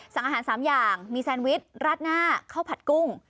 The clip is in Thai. สั่งอาหาร๓อย่างมีแซนวิชราดหน้าข้าวผัดกุ้ง